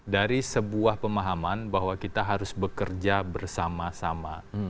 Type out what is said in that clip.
dari sebuah pemahaman bahwa kita harus bekerja bersama sama